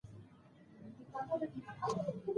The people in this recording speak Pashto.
ازادي راډیو د عدالت په اړه تاریخي تمثیلونه وړاندې کړي.